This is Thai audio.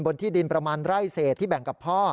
ที่ดินประมาณไร่เศษที่แบ่งกับพ่อ